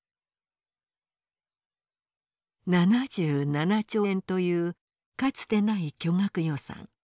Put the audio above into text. ７７兆円というかつてない巨額予算。